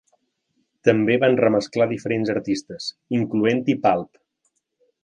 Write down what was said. També van remesclar diferents artistes, incloent-hi Pulp.